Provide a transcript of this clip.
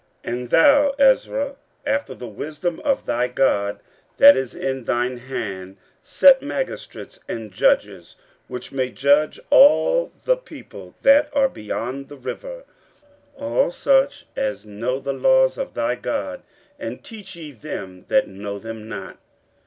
15:007:025 And thou, Ezra, after the wisdom of thy God, that is in thine hand, set magistrates and judges, which may judge all the people that are beyond the river, all such as know the laws of thy God; and teach ye them that know them not.